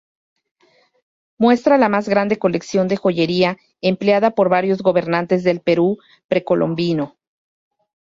Muestra la más grande colección de joyería empleada por varios gobernantes del Perú precolombino.